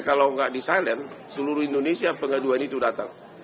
kalau nggak di sana seluruh indonesia pengaduan itu datang